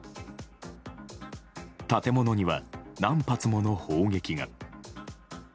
建物には何発もの砲撃が。